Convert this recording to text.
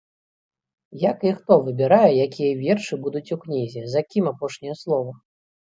Як і хто выбірае, якія вершы будуць у кнізе, за кім апошняе слова?